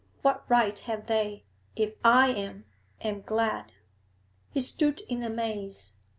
What right have they, if I am am glad?' He stood in amaze.